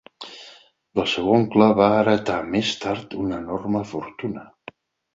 Del seu oncle va heretar més tard una enorme fortuna.